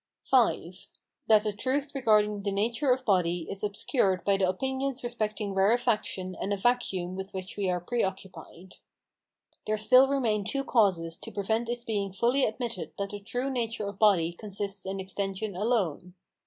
V. That the truth regarding the nature of body is obscured by the opinions respecting rarefaction and a vacuum with which we are pre occupied. There still remain two causes to prevent its being fully admitted that the true nature of body consists in extension alone.